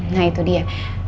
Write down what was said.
nah itu dia